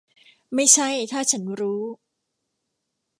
ไม่ใช่ถ้าฉันรู้ !